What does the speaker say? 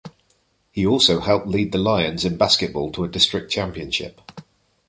He also helped lead the Lions in basketball to a District Championship.